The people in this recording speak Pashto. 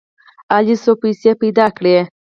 علي څو پیسې پیدا کړې.